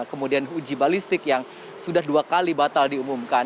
kemudian uji balistik yang sudah dua kali batal diumumkan